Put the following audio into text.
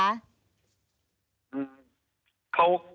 อืม